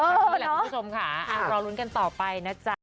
นี่แหละคุณผู้ชมค่ะรอลุ้นกันต่อไปนะจ๊ะ